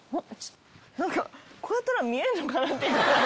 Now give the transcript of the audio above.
何かこうやったら見えるのかなっていうくらい。